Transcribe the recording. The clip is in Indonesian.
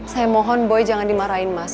saya mohon boy jangan dimarahin mas